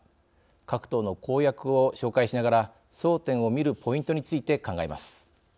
各党の公約を紹介しながら争点を見るポイントについて考えます。